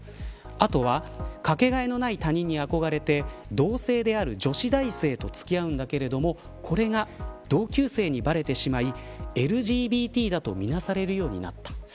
後は、かけがえのない他人に憧れて同性である女子大生と付き合うんだけれどもこれが同級生にばれてしまいＬＧＢＴだと見なされるようになった。